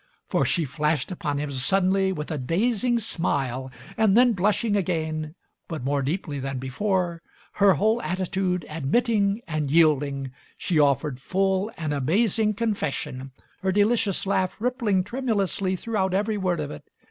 For she flashed upon him suddenly with a dazing smile, and then, blushing again but more deeply than before, her whole attitude admitting and yielding, she offered full and amazing confession, her delicious laugh rippling tremulously throughout every word of it.